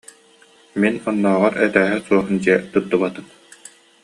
Мин оннооҕор этээһэ суох дьиэ туттубатым